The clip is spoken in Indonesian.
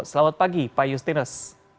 selamat pagi pak yustinus